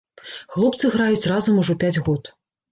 Хлопцы граюць разам ужо пяць год.